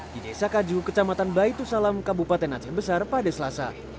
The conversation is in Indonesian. di desa kaju kecamatan baitu salam kabupaten aceh besar pada selasa